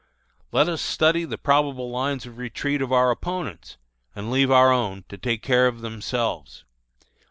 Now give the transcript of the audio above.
"Let us study the probable lines of retreat of our opponents, and leave our own to take care of themselves.